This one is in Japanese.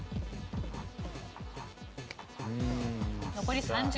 残り３０秒。